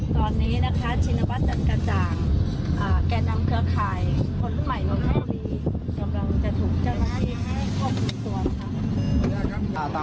ตอนนี้นะคะชินวัตรจันทร์กระจ่าง